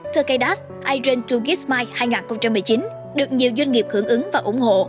tkdas iron hai gifts mike hai nghìn một mươi chín được nhiều doanh nghiệp hưởng ứng và ủng hộ